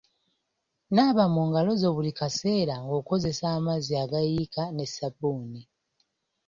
Naaba mu ngalo zo buli kaseera ng’okozesa amazzi agayiika n’essabbuuni.